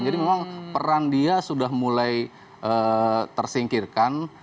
jadi memang peran dia sudah mulai tersingkirkan